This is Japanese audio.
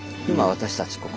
今私たち